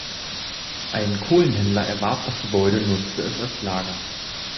Ein Kohlenhändler erwarb das Gebäude und nutzte es als Lager.